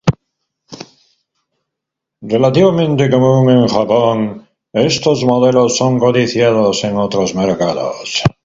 Relativamente común en Japón, estos modelos son codiciados en otros mercados.